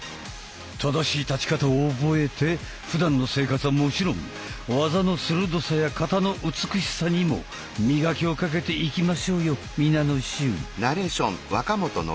正しい立ち方を覚えてふだんの生活はもちろん技の鋭さや形の美しさにも磨きをかけていきましょうよ皆の衆！